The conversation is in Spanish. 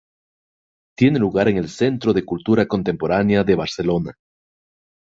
Tiene lugar en el Centro de Cultura Contemporánea de Barcelona.